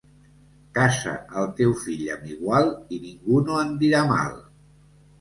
Casa el teu fill amb igual i ningú no en dirà mal.